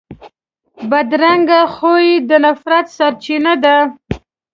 بدرنګه خوی د نفرت سرچینه ده